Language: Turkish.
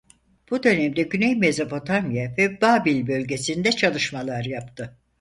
Bu dönemde güney Mezopotamya ve Babil bölgesinde çalışmalar yaptı.